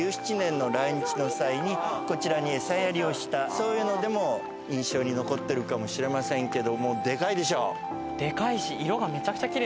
そういうのでも印象に残ってるかもしれませんけどもデカいでしょ。